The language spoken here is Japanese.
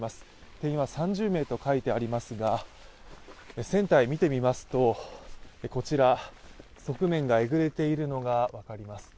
定員は３０名と書いてありますが船体を見てみますとこちら側面がえぐれているのが分かります。